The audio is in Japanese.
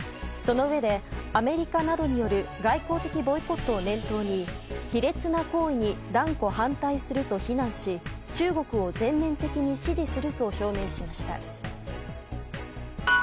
そのうえでアメリカなどによる外交的ボイコットを念頭に卑劣な行為に断固反対すると非難し中国を全面的に支持すると表明しました。